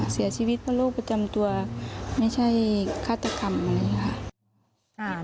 เสียชีวิตเพราะโรคประจำตัวไม่ใช่ฆาตกรรมเลยครับ